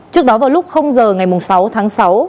trước đó vào lúc h ngày sáu tháng sáu